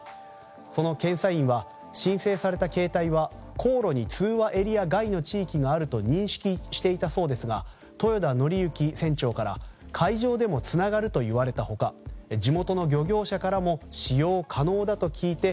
その検査員は申請された携帯は航路に通話エリア外の地域があると認識していたそうですが豊田徳幸船長から海上でもつながると言われた他地元の漁業者からも使用可能だと聞いて